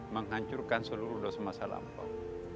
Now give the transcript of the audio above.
menghancurkan seluruh dosa masa lampau